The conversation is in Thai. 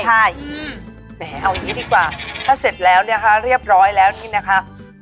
ใช่แหมเอาอย่างนี้ดีกว่าถ้าเสร็จแล้วนะคะเรียบร้อยแล้วนี่นะคะ